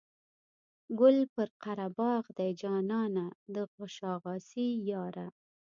ګل پر قره باغ دی جانانه د شا غاسي یاره.